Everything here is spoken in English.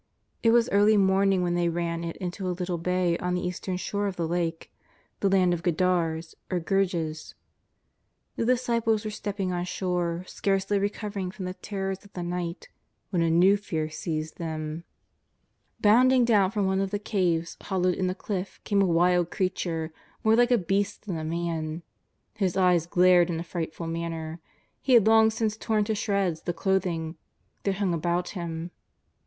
It was early morning when they ran it into a little bay on the eastern shore of the Lake, the land of Gadara, or Gergesa. The disciples were step ping on shore, scarcely recovered from the terrors of the night, when a new fear seized them. Bounding down from one of the caves hollowed in the cliff came a wild creature, more like a beast than a man. His eyes glared in a frightful manner. He had long since torn to shreds the clothing that hung about 228 JESUS OF NAZARETH. him.